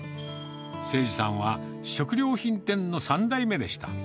せいじさんは、食料品店の３代目でした。